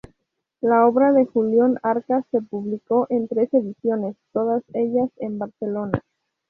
La obra de Julián Arcas se publicó en tres ediciones, todas ellas en Barcelona.